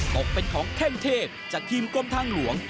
ตกเป็นของแข้งเทพจากทีมกรมทางหลวง